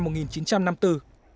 điện biên phủ